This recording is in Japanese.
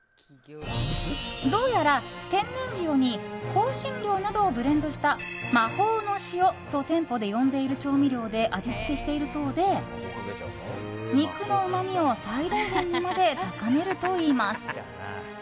どうやら、天然塩に香辛料などをブレンドした魔法の塩と店舗で呼んでいる調味料で味付けしているそうで肉のうまみを最大限にまで高めるといいます。